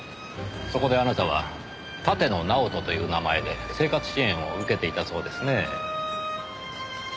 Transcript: そこであなたは立野尚人という名前で生活支援を受けていたそうですねぇ。